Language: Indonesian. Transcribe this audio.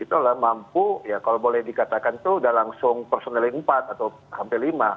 itu adalah mampu ya kalau boleh dikatakan itu sudah langsung personal yang empat atau hampir lima